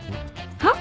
はっ？